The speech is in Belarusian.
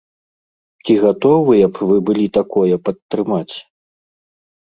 Ці гатовыя б вы былі такое падтрымаць?